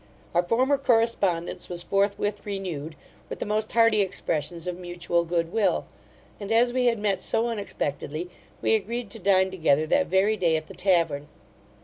Our former correspondence was forthwith renewed, with the most hearty expressions of mutual good will, and as we had met so unexpectedly, we agreed to dine together that very day at the tavern.